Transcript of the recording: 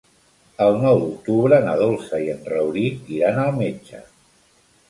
El nou d'octubre na Dolça i en Rauric iran al metge.